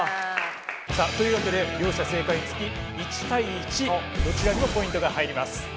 さあというわけで両者正解につき１対１どちらにもポイントが入ります。